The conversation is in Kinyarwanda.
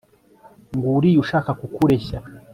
nguriya ushaka kukureshya